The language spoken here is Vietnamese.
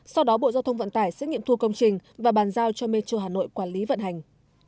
sau đó bộ giao thông vận tải sẽ nghiệm thu công trình và bàn giao cho metro hà nội quản lý vận hành